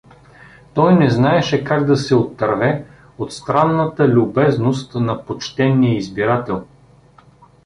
Той не знаеше как да се отърве от странната любезност на почтения избирател.